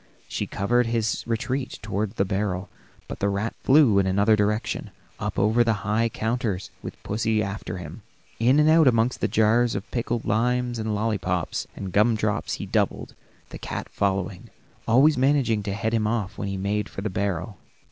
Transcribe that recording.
She covered his retreat toward the barrel, but the rat flew in another direction, up over the high counters, with pussy after him. In and out among the jars of pickled limes, lollipops and gum drops he doubled, the cat following, always managing to head him off when he made for the barrel.